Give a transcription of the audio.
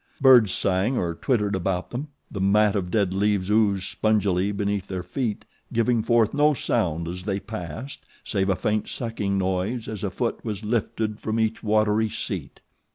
Birds sang or twittered about them, the mat of dead leaves oozed spongily beneath their feet, giving forth no sound as they passed, save a faint sucking noise as a foot was lifted from each watery seat.